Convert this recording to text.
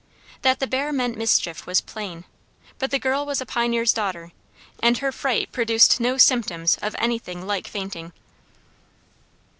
That the bear meant mischief was plain, but the girl was a pioneer's daughter, and her fright produced no symptoms of anything like fainting.